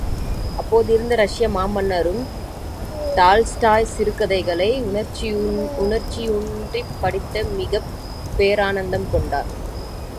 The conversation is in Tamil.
அப்போது இருந்த ரஷ்ய மாமன்னரும், டால்ஸ்டாய் சிறுகதைகளை உணர்ச்சியூன்றிப் படித்து மிகப்பேரானந்தம் கொண்டார்.